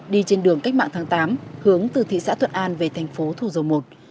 đi trên đường cách mạng tháng tám hướng từ thị xã thuận an về tp thủ dầu một